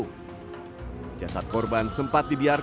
kecil kecilan saya rem